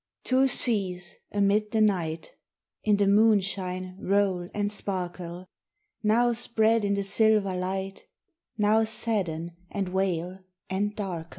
Two seas, amid the night, In the moonshine roll and sparkle — Now spread in the silver light, Now sadden, and wail, and darkle.